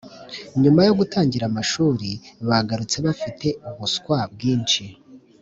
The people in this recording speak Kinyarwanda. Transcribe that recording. nyuma yo gutangira amashuri baragarutse bafite ubuswa bwinshi